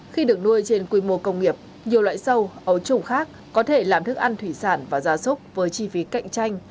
khi được nuôi trên quy mô công nghiệp nhiều loại sâu ấu trùng khác có thể làm thức ăn thủy sản và gia súc với chi phí cạnh tranh